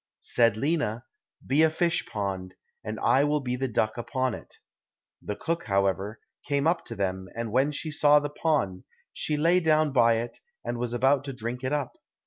Said Lina, "Be a fishpond, and I will be the duck upon it." The cook, however, came up to them, and when she saw the pond she lay down by it, and was about to drink it up.